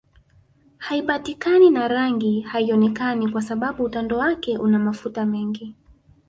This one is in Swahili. Haipatikani na rangi haionekani kwa sababu utando wake una mafuta mengi